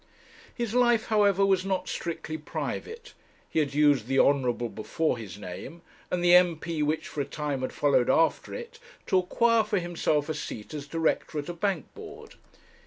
His life, however, was not strictly private. He had used the Honourable before his name, and the M.P. which for a time had followed after it, to acquire for himself a seat as director at a bank board.